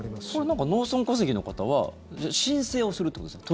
これ、農村戸籍の方は申請をするということですか？